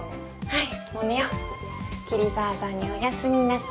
はい。